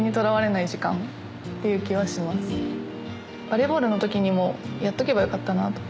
バレーボールのときにもやっとけばよかったなと。